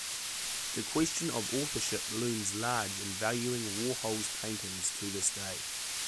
The question of authorship looms large in valuing Warhol's paintings to this day.